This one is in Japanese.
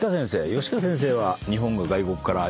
吉川先生は。